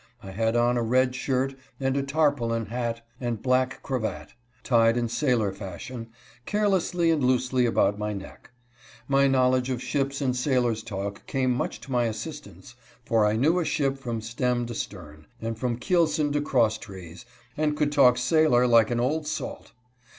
I had on a red shirt and a tarpaulin hat and black cravat, tied in sailor fashion, carelessly and loosely about my neck. My knowledge of ships and sailor's talk came much to my assistance, for I knew a ship from stem to stern, and from keelson to cross trees, and could talk sailor like an "old salt."